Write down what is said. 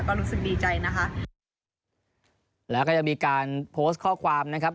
ก็รู้สึกดีใจนะคะแล้วก็ยังมีการโพสต์ข้อความนะครับ